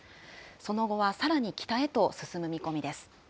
その後はさらに北へと進む見込みです。